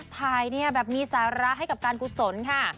ถ่ายเนี่ยแบบมีสาระให้กับการกุศลค่ะ